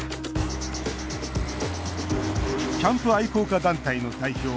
キャンプ愛好家団体の代表